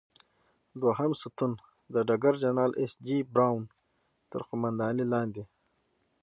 دوهم ستون د ډګر جنرال ایس جې براون تر قوماندې لاندې.